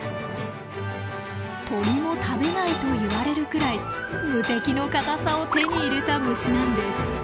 鳥も食べないといわれるくらい無敵の硬さを手に入れた虫なんです！